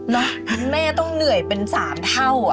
แม่ต้องเหนื่อยเป็น๓เท่า